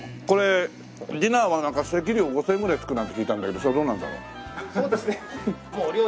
これディナーはなんか席料５０００円ぐらいつくなんて聞いたんだけどそれどうなんだろう？